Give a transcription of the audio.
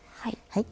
はい。